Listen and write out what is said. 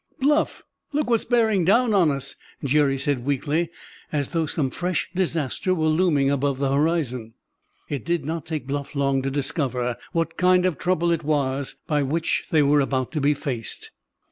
"Bluff! Look what's bearing down on us!" Jerry said weakly, as though some fresh disaster were looming above the horizon. It did not take Bluff long to discover what kind of trouble it was by which they were about to be faced.